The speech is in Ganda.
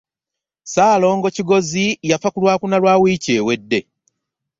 Ssaalongo Kigozi yafa ku lwakuna lwa wiiki ewedde